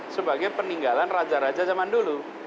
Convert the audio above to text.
sebagai peninggalan raja raja zaman dulu